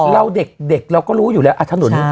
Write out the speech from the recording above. เราเด็กเราก็รู้อยู่แล้วถนน